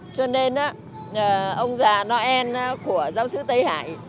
cho nên ông già noel của giáo sứ tây hải